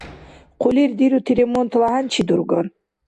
Хъулир дирути ремонтла хӀянчи дургар?